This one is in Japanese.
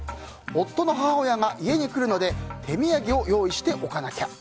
夫の母親が家に来るので手土産を用意しておかなきゃ。